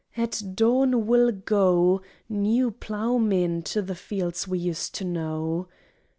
At dawn will go New ploughmen to the fields we used to know.